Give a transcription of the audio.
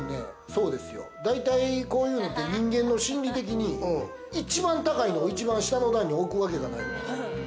大体こういうのって人間の心理的に、一番高いのを一番下の段に置くわけがない。